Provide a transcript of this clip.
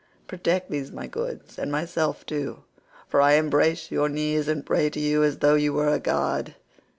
Protect these my goods, and myself too, for I embrace your knees and pray to you as though you were a god.